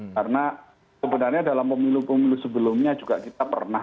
karena sebenarnya dalam pemilu pemilu sebelumnya juga kita pernah